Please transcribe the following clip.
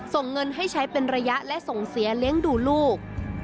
ส่งเงินให้ใช้เป็นระยะและส่งเสียเลี้ยงดูลูก